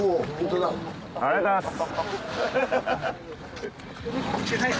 ありがとうございます。